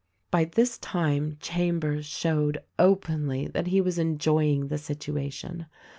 By this time Chambers showed openly that he was enjoy ing the situation.